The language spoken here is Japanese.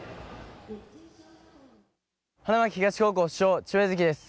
花巻東高校主将・千葉柚樹です。